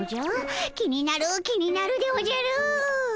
気になる気になるでおじゃる！